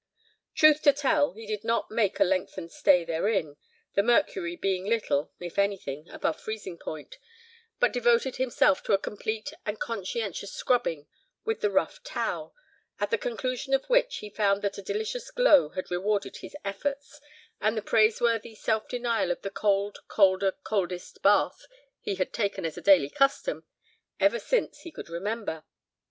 Truth to tell, he did not make a lengthened stay therein, the mercury being little, if anything, above freezing point, but devoted himself to a complete and conscientious scrubbing with the rough towel, at the conclusion of which, he found that a delicious glow had rewarded his efforts, and the praiseworthy self denial of the cold colder coldest bath he had taken as a daily custom, ever since he could remember.